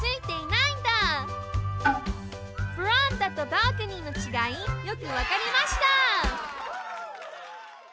ベランダとバルコニーのちがいよくわかりました！